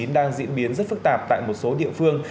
đang diễn biến rất phức tạp tại một số địa phương